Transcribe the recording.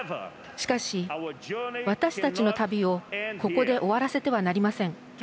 しかし、私たちの旅をここで終わらせてはなりません。